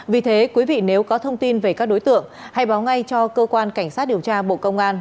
vì thế quý vị nếu có thông tin về các đối tượng hãy báo ngay cho cơ quan cảnh sát điều tra bộ công an